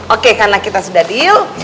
oke karena kita sudah deal